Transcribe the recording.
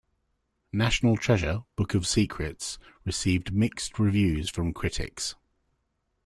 "National Treasure: Book of Secrets" received mixed reviews from critics.